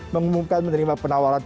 mengumumkan menerima penawaran